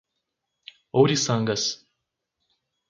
Ouriçangas